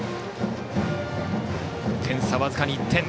点差、僅かに１点。